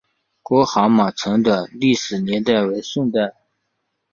郭蛤蟆城的历史年代为宋代。